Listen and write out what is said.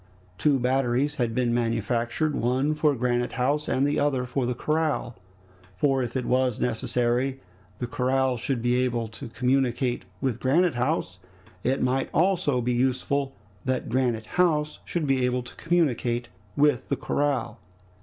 Two batteries had been manufactured, one for Granite House, the other for the corral; for if it was necessary the corral should be able to communicate with Granite House it might also be useful that Granite House should be able to communicate with the corral.